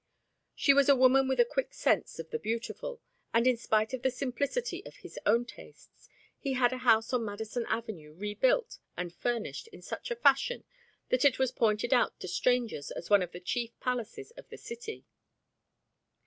She was a woman with a quick sense of the beautiful, and in spite of the simplicity of his own tastes, he had a house on Madison avenue rebuilt and furnished in such a fashion that it was pointed out to strangers as one of the chief palaces of the city.